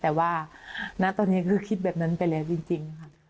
แต่ว่าณตอนนี้คือคิดแบบนั้นไปแล้วจริงค่ะ